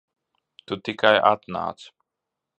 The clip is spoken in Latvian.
Tu tikai atnāc.